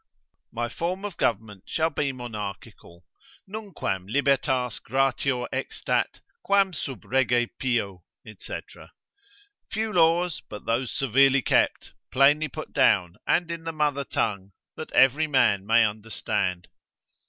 My form of government shall be monarchical. nunquam libertas gratior extat, Quam sub Rege pio, &c. few laws, but those severely kept, plainly put down, and in the mother tongue, that every man may understand.